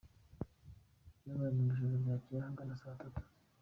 Byabaye mu ijoro ryakeye ahagana saa tatu.